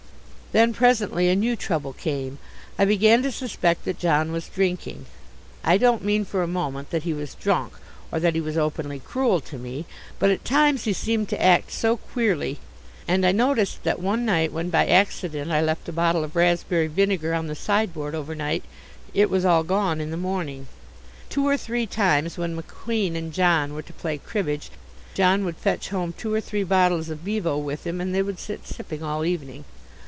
Then presently a new trouble came. I began to suspect that John was drinking. I don't mean for a moment that he was drunk, or that he was openly cruel to me. But at times he seemed to act so queerly, and I noticed that one night when by accident I left a bottle of raspberry vinegar on the sideboard overnight, it was all gone in the morning. Two or three times when McQueen and John were to play cribbage, John would fetch home two or three bottles of bevo with him and they would sit sipping all evening.